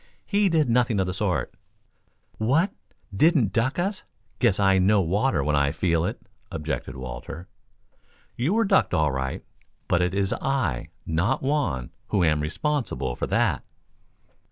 "He did nothing of the sort." "What didn't duck us? Guess I know water when I feel it," objected Walter. "You were ducked, all right, but it is I, not Juan, who am responsible for that."